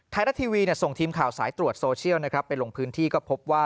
ไทยรัฐทีวีส่งทีมข่าวสายตรวจโซเชียลนะครับไปลงพื้นที่ก็พบว่า